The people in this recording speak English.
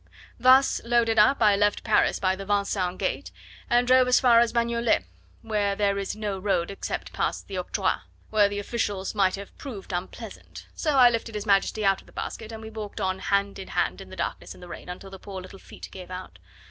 Thus loaded up I left Paris by the Vincennes gate, and drove as far as Bagnolet, where there is no road except past the octroi, where the officials might have proved unpleasant. So I lifted His Majesty out of the basket and we walked on hand in hand in the darkness and the rain until the poor little feet gave out.